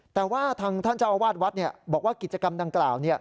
แต่ว่าทางท่านเจ้าอาวาสวัดบอกว่ากิจกรรมดังกล่าว